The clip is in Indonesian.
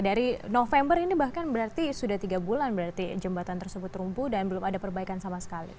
dari november ini bahkan berarti sudah tiga bulan berarti jembatan tersebut rumpuh dan belum ada perbaikan sama sekali